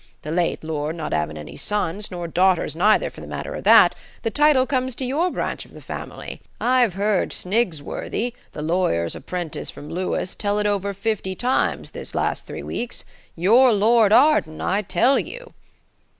The late lord not 'avin' any sons–nor daughters neither for the matter of that–the title comes to your branch of the family. I've heard Snigsworthy, the lawyer's apprentice from Lewis, tell it over fifty times this last three weeks. You're Lord Arden, I tell you."